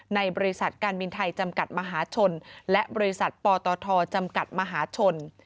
ในบริษัทการบินไทยจำกัดมหาชนและบริษัทปตทจำกัดมหาชน